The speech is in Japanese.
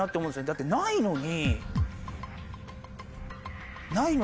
だってないのに。